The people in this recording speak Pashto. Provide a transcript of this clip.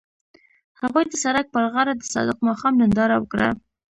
هغوی د سړک پر غاړه د صادق ماښام ننداره وکړه.